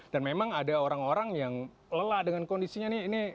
memang ada orang orang yang lelah dengan kondisinya nih ini